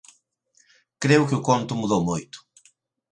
Creo que o conto mudou moito.